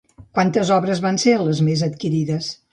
Quantes obres van ser les més adquirides?